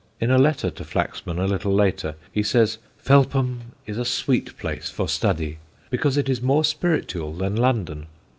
In a letter to Flaxman a little later, he says, "Felpham is a sweet place for study, because it is more spiritual than London.